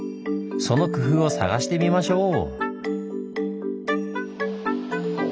その工夫を探してみましょう！